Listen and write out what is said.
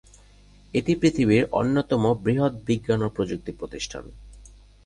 এটি পৃথিবীর অন্যতম বৃহৎ বিজ্ঞান ও প্রযুক্তি প্রতিষ্ঠান।